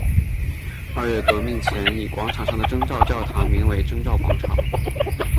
二月革命前以广场上的征兆教堂名为征兆广场。